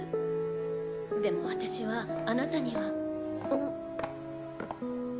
でも私はあなたには。